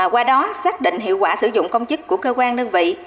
qua đó xác định hiệu quả sử dụng công chức của cơ quan đơn vị